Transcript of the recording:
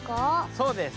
そうです。